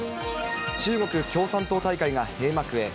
中国共産党大会が閉幕へ。